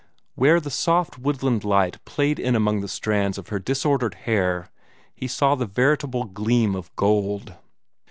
Where the soft woodland light played in among the strands of her disordered hair, he saw the veritable gleam of gold.